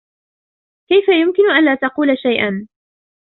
كيف يمكن أن لا تقول شيئاً؟